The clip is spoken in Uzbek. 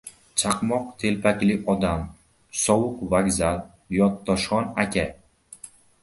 Chaqmoq telpakli odam. Sovuq vokzal. YoTdoshxon aka.